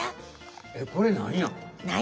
えっこれなんや？